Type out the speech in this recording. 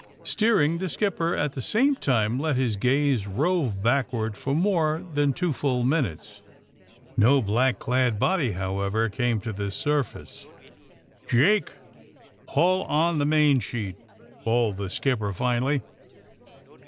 Steering, the skipper at the same time let his gaze rove backward for more than two full minutes. No black clad body, however, came to the surface. '' Jake I Haul on the mainsheet !'' bawled the skipper finally.